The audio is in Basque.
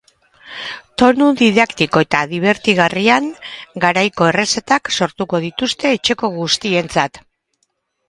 Tonu didaktiko eta dibertigarrian, garaiko errezetak sortuko dituzte etxeko guztientzat.